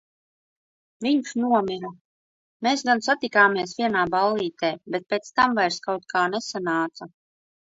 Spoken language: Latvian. Viņš nomira. Mēs gan satikāmies vienā ballītē, bet pēc tam vairs kaut kā nesanāca.